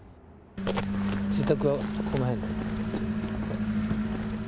自宅はこの辺。